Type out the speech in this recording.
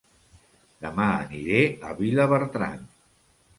Dema aniré a Vilabertran